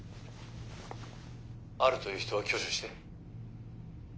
あるという人は挙手して。